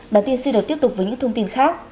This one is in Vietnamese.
bản tin xin được tiếp tục với những thông tin khác